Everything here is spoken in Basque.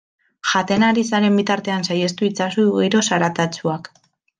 Jaten ari zaren bitartean saihestu itzazu giro zaratatsuak.